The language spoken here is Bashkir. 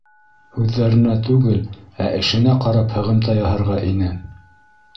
Һүҙҙәренә түгел, ә эшенә ҡарап һығымта яһарға ине.